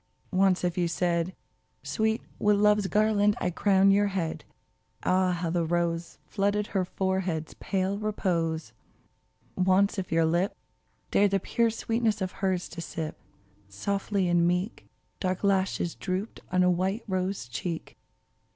Once if you said, Sweet, with Love's garland I crown your head," Ah ! how the rose Flooded her forehead's pale repose ! Once if your lip Dared the pure sweetness of hers to sip, Softly and meek Dark lashes drooped on a white rose cheek